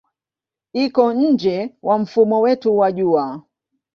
Iko nje ya mfumo wetu wa Jua.